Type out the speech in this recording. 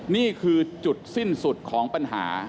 นี่คือจุดสิ้นสุดของปัญหา